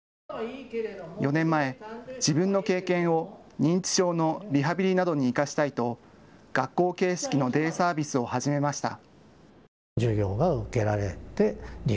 ４年前、自分の経験を認知症のリハビリなどに生かしたいと学校形式のデイサービスを始めました。